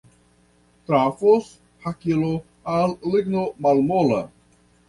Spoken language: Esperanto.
Trafos hakilo al ligno malmola.